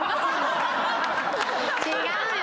違うよ！